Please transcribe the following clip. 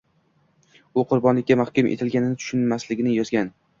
U qurbonlikka mahkum etilganini tushunmasligini yozgan.